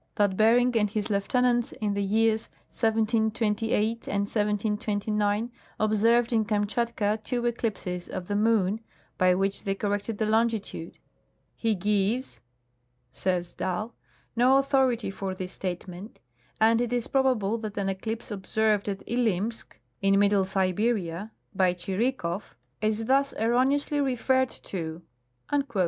56) that Bering and his lieutenants in the years 1728 and 1729 observed in Kamtschatka two eclipses of the moon, by Avhich they corrected the longitude. He gives," says Dall, " no authority for this statement, and it is probable that an eclipse observed at Ilimsk, in middle Siberia, by Chirikoflfis thus erroneously referred 220 General A.